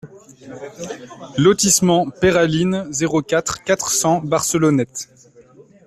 Lotissement Peyralines, zéro quatre, quatre cents Barcelonnette